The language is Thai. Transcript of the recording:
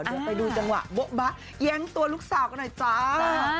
เดี๋ยวไปดูจังหวะโบ๊บะแย้งตัวลูกสาวกันหน่อยจ้า